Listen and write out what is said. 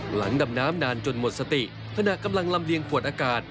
หลังดำน้ำนานจนหมดสติขณะกำลังลำเลียงขวดอากาศ